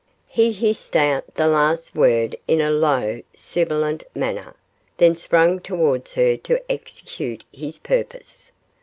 He hissed out the last word in a low, sibilant manner, then sprang towards her to execute his purpose.